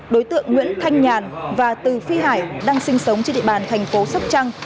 đối tượng nguyễn thanh nhàn và từ phi hải đang sinh sống trên địa bàn thành phố sóc trăng